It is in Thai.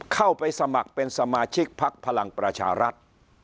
เข้าไปสมัครเป็นสมาชิกพักพลังประชารัฐ